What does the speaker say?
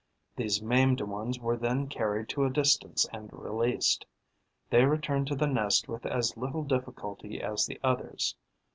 These maimed ones were then carried to a distance and released. They returned to the nest with as little difficulty as the others.